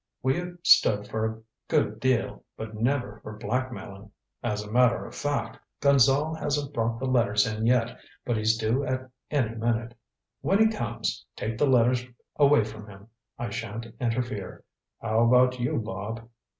We've stood for a good deal, but never for blackmailing. As a matter of fact, Gonzale hasn't brought the letters in yet, but he's due at any minute. When he comes take the letters away from him. I shan't interfere. How about you, Bob?"